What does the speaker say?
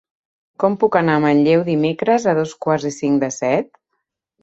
Com puc anar a Manlleu dimecres a dos quarts i cinc de set?